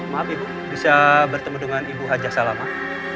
maaf ibu bisa bertemu dengan ibu hajah salamah